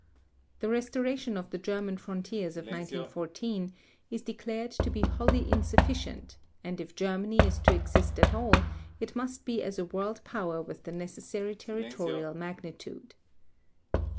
The restoration of the German frontiers of 1914 is declared to be wholly insufficient, and if Germany is to exist at all, it must be as a world power with the necessary territorial magnitude.